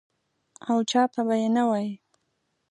او چا ته به یې نه وایې.